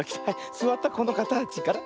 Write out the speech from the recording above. すわったこのかたちから。